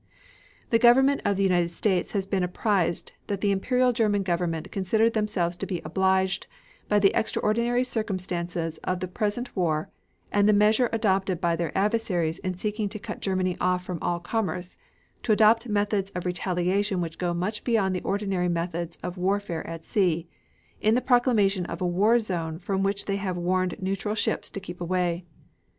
The Government of the United States has been apprised that the Imperial German Government considered themselves to be obliged by the extraordinary circumstances of the present war and the measure adopted by their adversaries in seeking to cut Germany off from all commerce, to adopt methods of retaliation which go much beyond the ordinary methods of warfare at sea, in the proclamation of a war zone from which they have warned neutral ships to keep away.